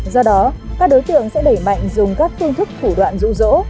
do đó các đối tượng sẽ đẩy mạnh dùng các phương thức thủ đoạn rụ rỗ